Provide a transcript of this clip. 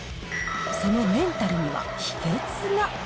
そのメンタルには秘けつが。